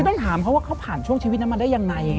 ต้องถามเขาว่าเขาผ่านช่วงชีวิตนั้นมาได้ยังไง